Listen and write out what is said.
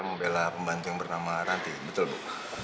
membela pembantu yang bernama ranti betul bu